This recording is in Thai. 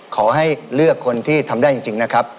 ขอให้เลือกคนที่ทำได้จริงนะครับ